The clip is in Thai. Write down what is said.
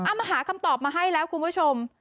มาหาคำตอบมาให้แล้วคุณผู้ชม